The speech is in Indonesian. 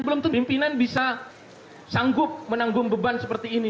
belum itu pimpinan bisa sanggup menanggung beban seperti ini